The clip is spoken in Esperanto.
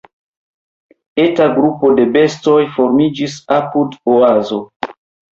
Eta grupo de bestoj formiĝis apud Oazo: